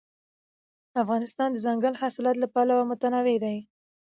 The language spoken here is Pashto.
افغانستان د دځنګل حاصلات له پلوه متنوع دی.